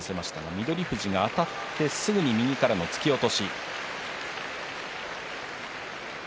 翠富士が、あたってすぐに右からの突き落とし。